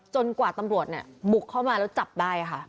กว่าตำรวจเนี่ยบุกเข้ามาแล้วจับได้ค่ะ